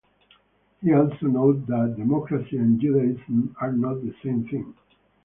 He also noted that, Democracy and Judaism are not the same thing.